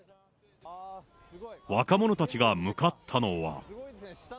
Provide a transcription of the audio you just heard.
若者たちが向かったのは。